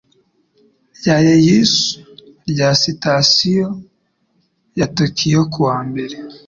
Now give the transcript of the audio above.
rya Yaesu rya Sitasiyo ya Tokiyo ku wa mbere